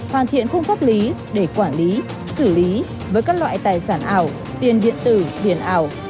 hoàn thiện khung pháp lý để quản lý xử lý với các loại tài sản ảo tiền điện tử biển ảo